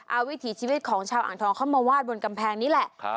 เอาวิถีชีวิตของชาวอ่างทองเข้ามาวาดบนกำแพงนี้แหละ